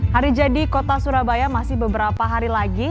hari jadi kota surabaya masih beberapa hari lagi